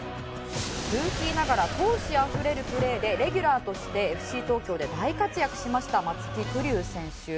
「ルーキーながら闘志あふれるプレーでレギュラーとしてＦＣ東京で大活躍しました松木玖生選手」